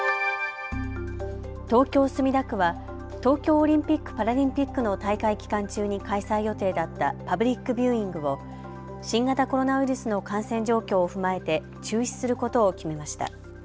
東京墨田区は東京オリンピック・パラリンピックの大会期間中に開催予定だったパブリックビューイングを新型コロナウイルスの感染状況を踏まえて中止することを決めました。